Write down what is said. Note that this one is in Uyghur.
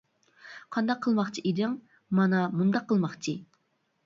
-قانداق قىلماقچى ئىدىڭ؟ -مانا مۇنداق قىلماقچى.